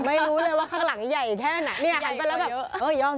ไม่รู้เลยว่าข้างหลังใหญ่แค่ไหน